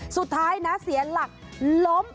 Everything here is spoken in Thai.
สุดท้ายนะเสียหลักล้ม